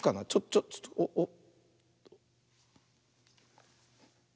ちょっちょっおっおっ。